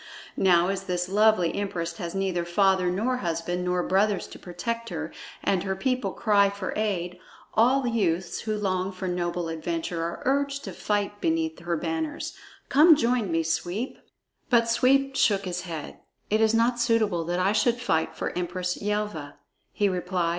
Now as this lovely empress has neither father nor husband nor brothers to protect her, and her people cry for aid, all youths who long for noble adventure are urged to fight beneath her banners. Come join me, Sweep." But Sweep shook his head. "It is not suitable that I should fight for Empress Yelva," he replied.